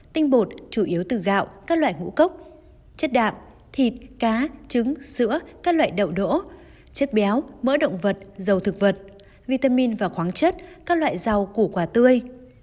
tinh bột chủ yếu từ gạo các loại ngũ cốc chất đạm thịt cá trứng sữa các loại đậu đỗ chất béo mỡ động vật dầu thực vật vitamin và khoáng chất các loại rau củ quả tươi